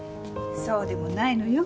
そうでもないのよ。